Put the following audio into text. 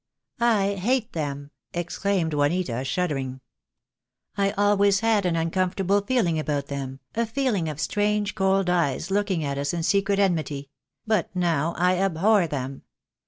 "I hate them," exclaimed Juanita, shuddering. "I always had an uncomfortable feeling about them, a feeling of strange cold eyes looking at us in secret enmity; but now I abhor them.